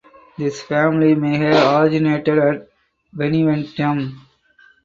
This family may have originated at Beneventum.